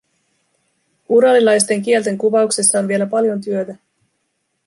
Uralilaisten kielten kuvauksessa on vielä paljon työtä.